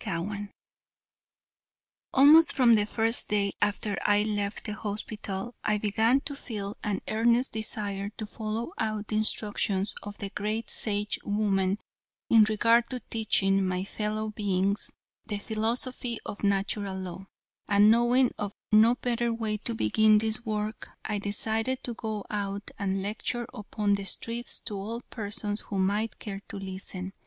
CHAPTER XXXI Almost from the first day after I left the hospital I began to feel an earnest desire to follow out the instructions of the great Sage woman in regard to teaching my fellow beings the philosophy of Natural Law, and, knowing of no better way to begin this work, I decided to go out and lecture upon the streets to all persons who might care to listen.